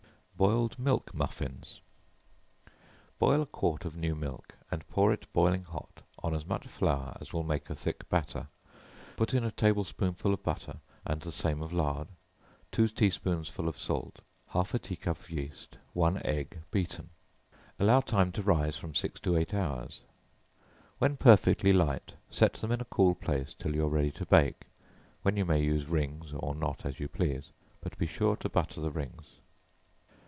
Boiled Milk Muffins. Boil a quart of new milk, and pour it boiling hot, on as much flour as will make a thick batter, put in a table spoonful of butter, and the same of lard, two tea spoonsful of salt, half a tea cup of yeast, one egg beaten; allow time to rise from six to eight hours; when perfectly light, set them in a cool place, till you are ready to bake, when you may use rings, or not, as you please but be sure to butter the rings.